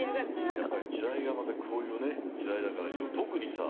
やっぱり時代がまたこういう時代だから特にさ。